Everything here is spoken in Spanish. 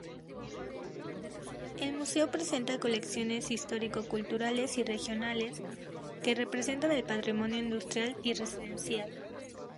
El museo presenta colecciones histórico-culturales y regionales que representan el patrimonio industrial y residencial.